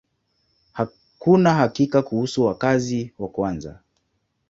Hakuna hakika kuhusu wakazi wa kwanza.